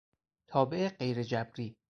تابع غیر جبری